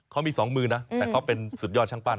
เขามี๒มือนะแต่เขาเป็นสุดยอดช่างปั้น